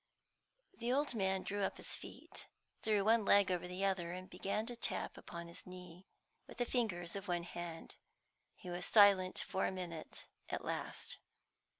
The old man drew up his feet, threw one leg over the other, and began to tap upon his knee with the fingers of one hand. He was silent for a minute at least.